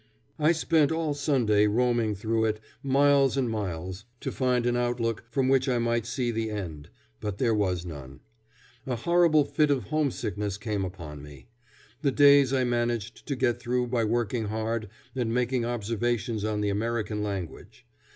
I spent all Sunday roaming through it, miles and miles, to find an outlook from which I might see the end; but there was none. A horrible fit of homesickness came upon me. The days I managed to get through by working hard and making observations on the American language.